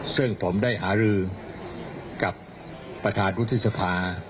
ซึ่งผมได้หารือกับประธานวุฒิสภา